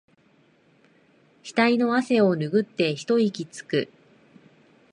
ひたいの汗をぬぐって一息つく